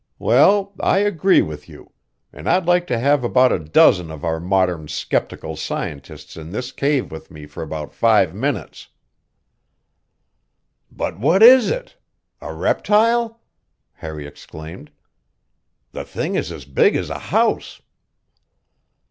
Well, I agree with you; and I'd like to have about a dozen of our modern skeptical scientists in this cave with me for about five minutes." "But what is it? A reptile!" Harry exclaimed. "The thing is as big as a house!"